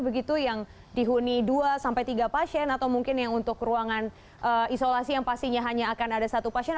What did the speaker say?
begitu yang dihuni dua tiga pasien atau mungkin yang untuk ruangan isolasi yang pastinya hanya akan ada satu pasien